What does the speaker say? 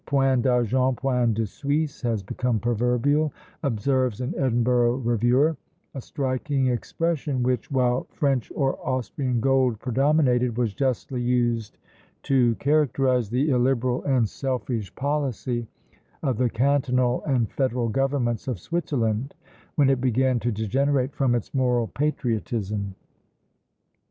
Point d'argent point de Suisse has become proverbial, observes an Edinburgh Reviewer; a striking expression, which, while French or Austrian gold predominated, was justly used to characterise the illiberal and selfish policy of the cantonal and federal governments of Switzerland, when it began to degenerate from its moral patriotism.